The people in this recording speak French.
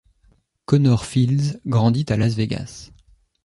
Connor Fields grandit à Las Vegas.